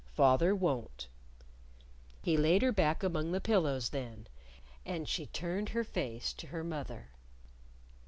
"Father won't." He laid her back among the pillows then. And she turned her face to her mother.